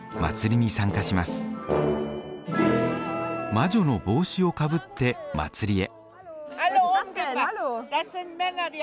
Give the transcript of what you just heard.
魔女の帽子をかぶって祭りへ。